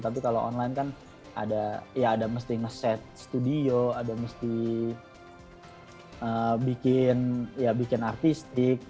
tapi kalau online kan ada ya ada mesti nge set studio ada mesti bikin ya bikin artistik